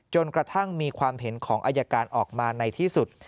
กระทั่งมีความเห็นของอายการออกมาในที่สุด